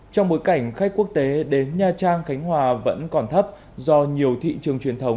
trong bối cảnh khách quốc tế đến nha trang khánh hòa vẫn còn thấp do nhiều thị trường truyền thống